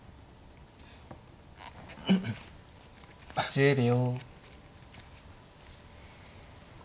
１０秒。